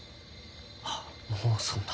あっもうそんな。